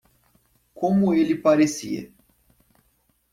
Como ele parecia?